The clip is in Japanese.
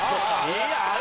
「いやあれ？